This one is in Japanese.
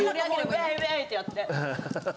ウェイウェイってやって。